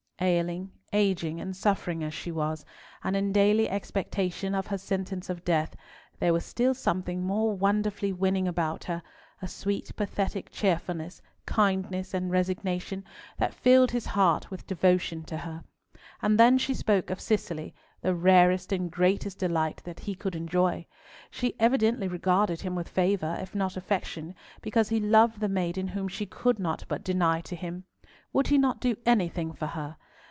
Ailing, aging, and suffering as she was, and in daily expectation of her sentence of death, there was still something more wonderfully winning about her, a sweet pathetic cheerfulness, kindness, and resignation, that filled his heart with devotion to her. And then she spoke of Cicely, the rarest and greatest delight that he could enjoy. She evidently regarded him with favour, if not affection, because he loved the maiden whom she could not but deny to him. Would he not do anything for her?